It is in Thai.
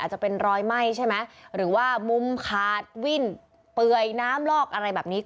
จะเป็นรอยไหม้ใช่ไหมหรือว่ามุมขาดวิ่นเปื่อยน้ำลอกอะไรแบบนี้